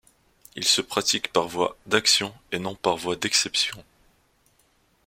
Il se pratique par voie d'action et non par voie d'exception.